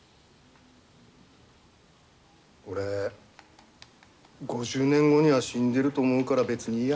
俺５０年後には死んでると思うから別にいいや。